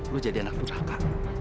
lu jadi anak buraka